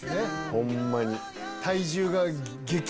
ホンマに！